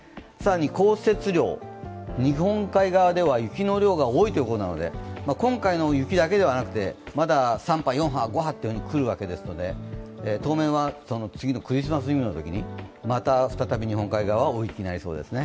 降雪量、日本海側では雪の量が多いということなので今回の雪だけではなくて、まだ３波、４波、５波と来るわけですから当面は次のクリスマスイブのときにまた再び日本海側は大雪になりそうですね。